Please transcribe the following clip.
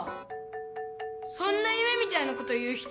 そんなゆめみたいなこと言う人